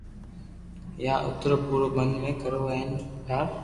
يا ٿرو پورو من ھي ڪرو ھي يار